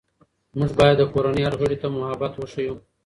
موږ باید د کورنۍ هر غړي ته محبت وښیو